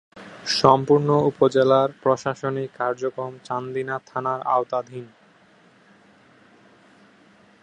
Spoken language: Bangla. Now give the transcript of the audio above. সম্পূর্ণ উপজেলার প্রশাসনিক কার্যক্রম চান্দিনা থানার আওতাধীন।